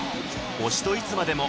「推しといつまでも」